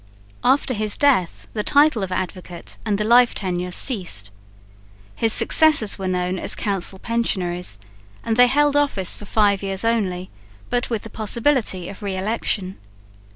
After his death the title of advocate and the life tenure ceased. His successors were known as Council Pensionaries, and they held office for five years only, but with the possibility of re election.